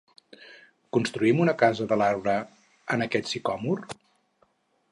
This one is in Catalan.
Construïm una casa de l'arbre en aquest sicòmor?